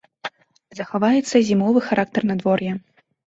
Захаваецца зімовы характар надвор'я.